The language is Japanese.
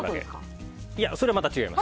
それはまた違います。